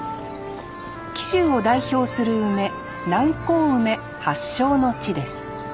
紀州を代表する梅南高梅発祥の地です